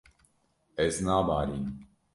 Ez nabarînim.